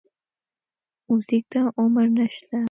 موزیک ته عمر نه شته.